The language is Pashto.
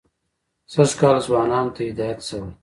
سږ کال ځوانانو ته هدایت شوی.